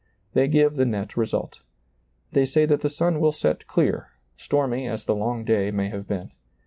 They give the net result. They say that the sun will set clear, stormy as the long day may have been.